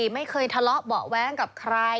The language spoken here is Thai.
ไม่เคยทะเลาะเบาะแว้งกับใคร